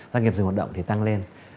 doanh nghiệp dùng hoạt động thì tăng lên